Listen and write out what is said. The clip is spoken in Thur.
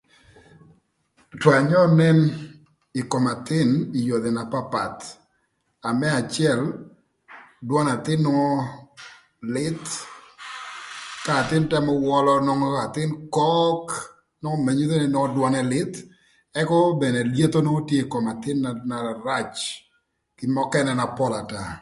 Two anyö nen ï kom athïn ï yodhi na papath. Na më acël dwön athïn nwongo lïth ka athïn tëmö wölö nwongo athïn kok nwongo na nyutho nï dwönë lïth ëka mënë lyetho nwongo tye ï kom athïn na rac kï mökënë na pol ata.